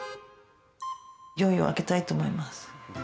いよいよ開けたいと思います。